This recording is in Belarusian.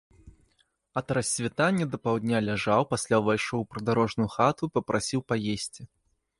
Ад рассвітання да паўдня ляжаў, пасля ўвайшоў у прыдарожную хату і папрасіў паесці.